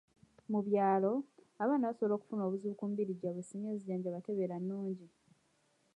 Mu byalo, abaana basobola okufuna obuzibu ku mibiri gyabwe singa enzijjanjaba tebeera nungi.